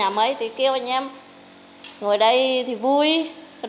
và năm nay thì có nhà mới thì kêu anh em